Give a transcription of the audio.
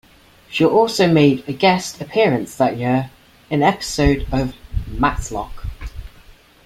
She also made a guest appearance that year in an episode of "Matlock".